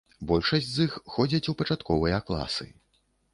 Большасць з іх ходзяць у пачатковыя класы.